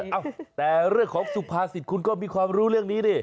เอ้าแต่เรื่องของสุภาษิตคุณก็มีความรู้เรื่องนี้ดิ